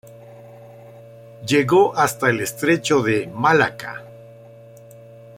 Llegó hasta el estrecho de Malaca.